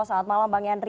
selamat malam bang yandri